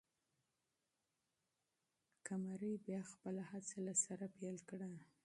قمري بیا خپله هڅه له سره پیل کړه.